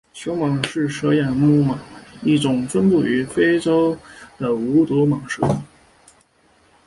球蟒是蛇亚目蟒科蟒属下一种分布于非洲的无毒蟒蛇。